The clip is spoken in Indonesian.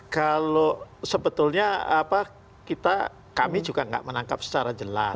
kalau sebetulnya apa kita kami juga gak menangkap secara jelas ya